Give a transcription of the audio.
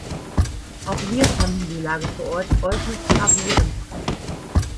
Auch wir fanden die Lage vor Ort äußerst gravierend.